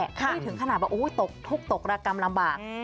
ไม่ได้ถึงขนาดแบบโอ้โฮตกรากรรมลำบาก